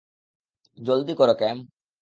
জলদি করো, ক্যাম।